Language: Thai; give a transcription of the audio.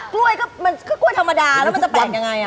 กล้วยก็กล้วยธรรมดาแล้วมันจะแปลกยังไงอ่ะ